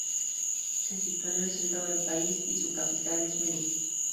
Se sitúa en el centro del país y su capital es Meru.